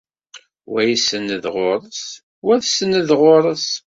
Wa isenned ɣur-s, wa tsenned ɣur-s.